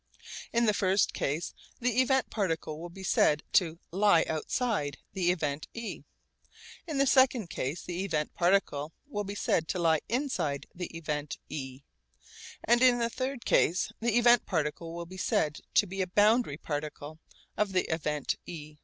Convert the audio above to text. In the first case the event particle will be said to 'lie outside' the event e, in the second case the event particle will be said to 'lie inside' the event e, and in the third case the event particle will be said to be a 'boundary particle' of the event e.